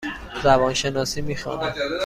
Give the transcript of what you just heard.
زبان شناسی می خوانم.